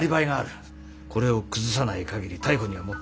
これを崩さない限り逮捕には持っていけない。